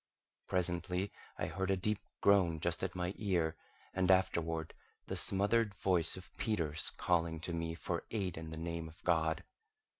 Presently I heard a deep groan just at my ear, and afterward the smothered voice of Peters calling to me for aid in the name of God.